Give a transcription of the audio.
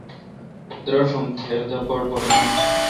دراشوم تِر دہ بڑبڑ من۔